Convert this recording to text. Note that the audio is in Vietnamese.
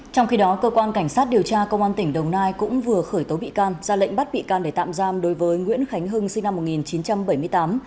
trong khi đó cơ quan cảnh sát điều tra công an tỉnh đồng nai cũng vừa khởi tố bị can ra lệnh bắt bị can để tạm giam đối với nguyễn khánh hưng sinh năm một nghìn chín trăm bảy mươi tám